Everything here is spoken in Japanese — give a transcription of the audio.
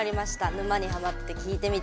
「沼にハマってきいてみた」。